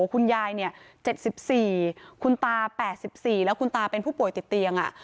คุณยายเนี่ยเจ็ดสิบสี่คุณตาแปดสิบสี่แล้วคุณตาเป็นผู้ป่วยติดเตียงอ่ะ